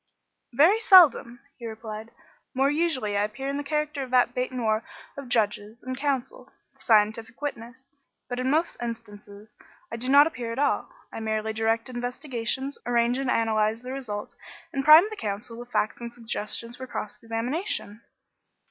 "Very seldom," he replied. "More usually I appear in the character of that bête noir of judges and counsel the scientific witness. But in most instances I do not appear at all; I merely direct investigations, arrange and analyse the results, and prime the counsel with facts and suggestions for cross examination."